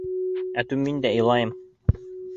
Ату мин дә илайым!